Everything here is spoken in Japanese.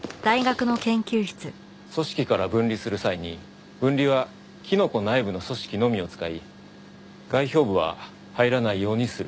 組織から分離する際に分離はキノコ内部の組織のみを使い外表部は入らないようにする。